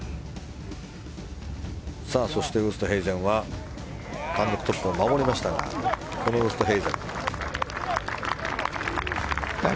そしてウーストヘイゼンは単独トップを守りましたがそのウーストヘイゼン。